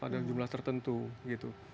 pada jumlah tertentu gitu